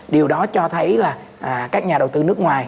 điều đó cho thấy là các nhà đầu tư nước ngoài